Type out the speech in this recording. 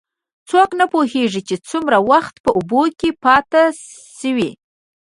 څوک نه پوهېږي، چې څومره وخت په اوبو کې پاتې شوی.